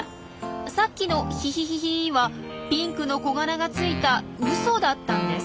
さっきの「ヒヒヒヒ」はピンクのコガラがついたウソだったんです。